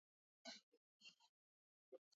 Four have been lost in crashes.